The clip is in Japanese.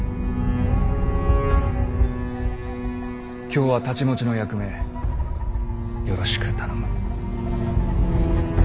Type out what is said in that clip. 今日は太刀持ちの役目よろしく頼む。